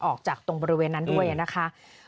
ออกจากตรงบริเวณนั้นด้วยนะคะ